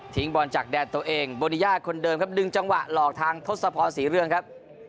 บอลจากแดนตัวเองโบริยาคนเดิมครับดึงจังหวะหลอกทางทศพรศรีเรืองครับ